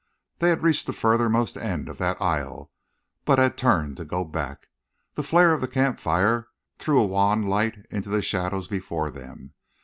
They had reached the furthermost end of that aisle, but had turned to go back. The flare of the camp fire threw a wan light into the shadows before them.